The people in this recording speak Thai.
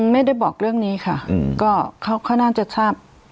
ไม่ได้บอกเรื่องนี้ค่ะก็เขาน่าจะทราบ